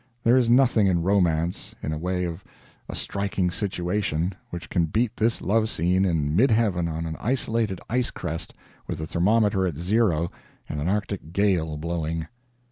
There is nothing in romance, in the way of a striking "situation," which can beat this love scene in midheaven on an isolated ice crest with the thermometer at zero and an Artic gale blowing.